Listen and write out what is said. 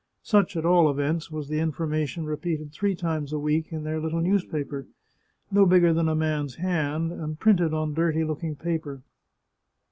Such, at all events, was the information repeated three times a week in their little newspaper, no bigger than a man's hand, and printed on dirty looking paper.